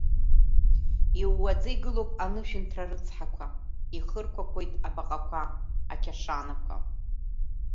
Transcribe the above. Иууаӡа игылоуп анышәынҭра рыцҳақәа, ихырқәақәоит абаҟақәа, ақьашанақәа.